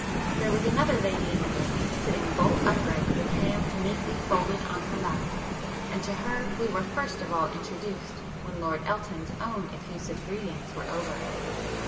There was another lady in the room sitting bolt upright with hands neatly folded on her lap, and to her we were first of all introduced when Lord Elton's own effusive greetings were over.